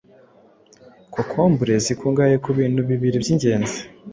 Kokombure zikungahaye ku bintu bibiriby’ingenzi